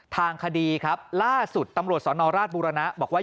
ทางคดีครับล่าสุดตำรวจสนราชบุรณะบอกว่า